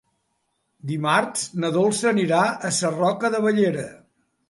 Dimarts na Dolça anirà a Sarroca de Bellera.